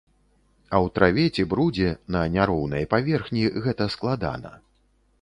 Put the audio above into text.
А ў траве ці брудзе, на няроўнай паверхні гэта складана.